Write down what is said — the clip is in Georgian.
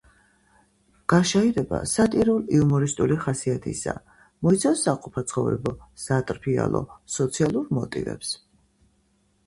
გაშაირება სატირულ-იუმორისტული ხასიათისაა, მოიცავს საყოფაცხოვრებო, სატრფიალო, სოციალურ მოტივებს.